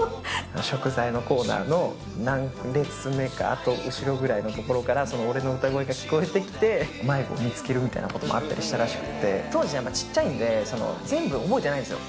食材のコーナーの何列目かあと後ろぐらいの所から、その俺の歌声が聞こえてきて、迷子を見つけるみたいなこともあったりしたらしくて、当時小っちゃいんで、全部覚えてないんですよ。